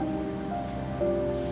kamu udah bebas sama ibu